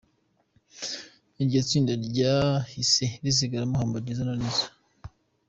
Iryo tsinda ryahise risigaramo Humble Jizzo na Nizo.